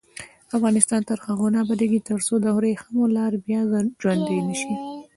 افغانستان تر هغو نه ابادیږي، ترڅو د وریښمو لار بیا ژوندۍ نشي.